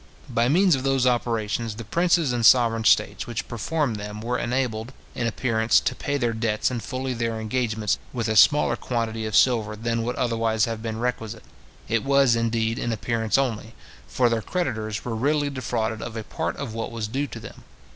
By means of those operations, the princes and sovereign states which performed them were enabled, in appearance, to pay their debts and fulfil their engagements with a smaller quantity of silver than would otherwise have been requisite. It was indeed in appearance only; for their creditors were really defrauded of a part of what was due to them.